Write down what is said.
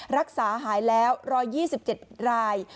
รักษาหายแล้ว๑๒๗ราย